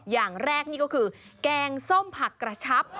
อย่างแรกนี่ก็คือแกงส้มผักกระชับ